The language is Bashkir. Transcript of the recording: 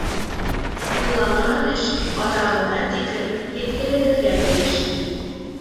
Уйланған эш аҙағына тиклем еткерелергә тейеш.